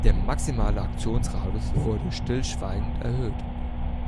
Der maximale Aktionsradius wurde stillschweigend erhöht.